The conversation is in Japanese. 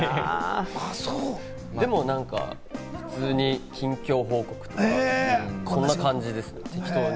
でも普通に近況報告とか、そんな感じです、適当に。